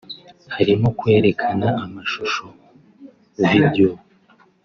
harimo kwerekana amashusho